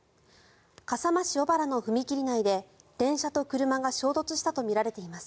笠間市小原の踏切内で電車と車が衝突したとみられます。